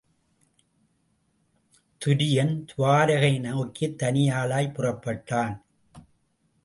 துரியன் துவாரகை நோக்கித் தனியாளாய்ப் புறப்பட்டான்.